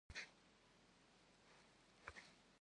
Ğerixım şauer meşşes.